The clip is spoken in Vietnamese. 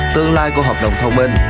tương lai của hợp đồng thông minh